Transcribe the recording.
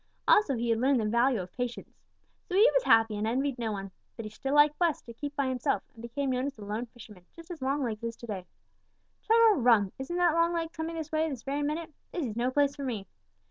Also he had learned the value of patience. So he was happy and envied no one. But he still liked best to keep by himself and became known as the lone fisherman, just as Longlegs is to day. Chug a rum! Isn't that Longlegs coming this way this very minute? This is no place for me!"